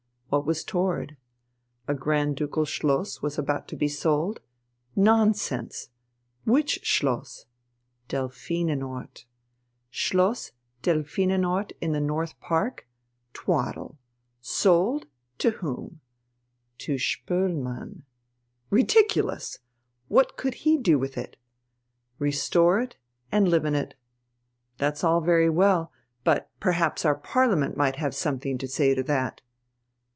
What was toward? A Grand Ducal Schloss was about to be sold? Nonsense! Which Schloss? Delphinenort. Schloss Delphinenort in the North Park? Twaddle! Sold? To whom? To Spoelmann. Ridiculous! What could he do with it? Restore it, and live in it. That's all very well. But perhaps our Parliament might have something to say to that.